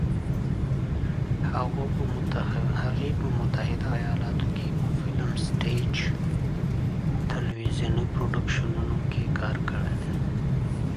She has worked in film, stage and television productions in the United States.